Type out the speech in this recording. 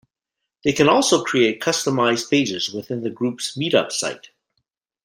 They can also create customized pages within the group's Meetup site.